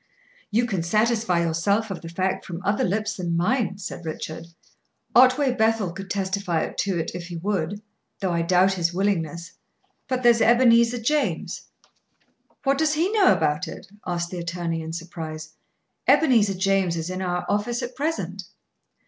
"You can satisfy yourself of the fact from other lips than mine," said Richard. "Otway Bethel could testify to it if he would, though I doubt his willingness. But there's Ebenezer James." "What does he know about it?" asked the attorney, in surprise. "Ebenezer James is in our office at present."